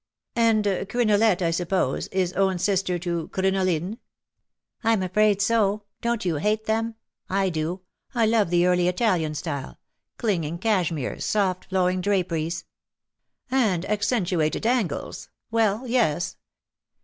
'^" And Crinolette, I suppose, is own sister to Crinoline ?"'" I'm afraid so — don't you hate them ? I do ; I love the early Italian style — clinging cashmeres, soft flowing draperies/' " And accentuated angles — well^ yes.